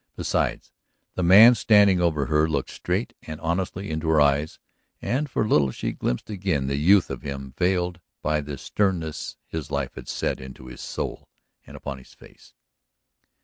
Besides, the man standing over her looked straight and honestly into her eyes and for a little she glimpsed again the youth of him veiled by the sternness his life had set into his soul and upon his face.